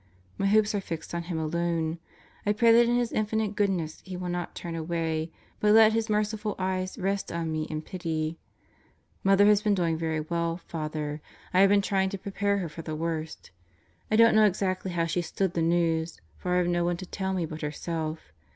My hopes are fixed on Him alone. I pray that in His infinite goodness He will not turn away but let His merciful eyes rest on me in pity Mother has been doing very well, Father. I have been trying to prepare her for the worst. I don't know exactly how she stood the news; for I have no one to tell me but herself.